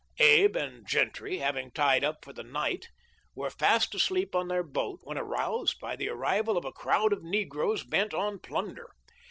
Abe and Gentry, having tied up for the night, were fast asleep on their boat when aroused by the arrival of a crowd of negroes bent on plunder.